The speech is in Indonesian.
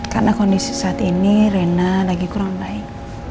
karena kondisi saat ini rena lagi kurang baik